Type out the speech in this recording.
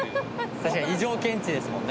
確かに異常検知ですもんね。